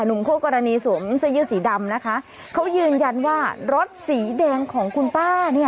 นุ่มคู่กรณีสวมอินเซียสีดำนะคะเขายืนยันว่ารถสีแดงของคุณป้าเนี้ย